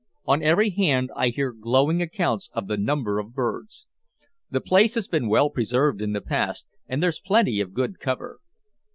On every hand I hear glowing accounts of the number of birds. The place has been well preserved in the past, and there's plenty of good cover."